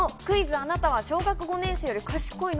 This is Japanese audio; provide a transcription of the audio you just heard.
あなたは小学５年生より賢いの？』